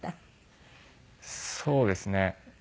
そうですね。